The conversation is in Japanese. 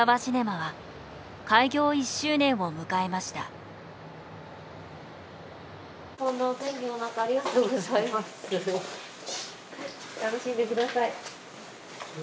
はい楽しんでください。